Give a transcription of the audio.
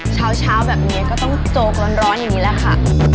เช้าแบบนี้ก็ต้องโจ๊กร้อนอย่างนี้แหละค่ะ